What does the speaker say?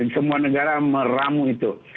semua negara meramu itu